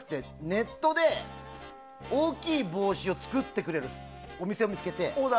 ネットで大きい帽子を作ってくれるお店を見つけて。